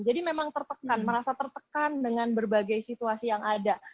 memang tertekan merasa tertekan dengan berbagai situasi yang ada